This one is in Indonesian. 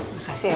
makasih ya be